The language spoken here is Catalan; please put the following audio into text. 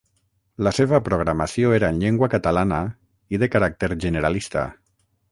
La seva programació era en llengua catalana i de caràcter generalista.